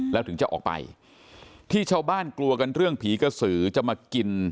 แล้วถึงจะออกไปที่ชาวบ้านกลัวกันเรื่องผีกระสือจะมากิน